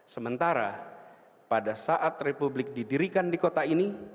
sementara pada saat republik didirikan di kota ini